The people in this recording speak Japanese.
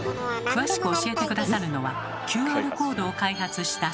詳しく教えて下さるのはＱＲコードを開発した